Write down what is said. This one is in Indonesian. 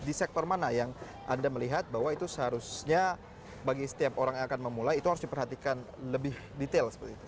di sektor mana yang anda melihat bahwa itu seharusnya bagi setiap orang yang akan memulai itu harus diperhatikan lebih detail seperti itu